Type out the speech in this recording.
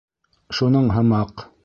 Шуның һымаҡ.